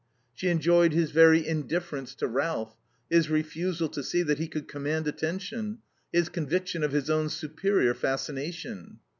She enjoyed his very indifference to Ralph, his refusal to see that he could command attention, his conviction of his own superior fascination.